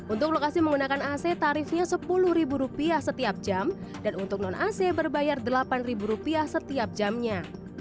untuk lokasi menggunakan ac tarifnya sepuluh rupiah setiap jam dan untuk non ac berbayar rp delapan setiap jamnya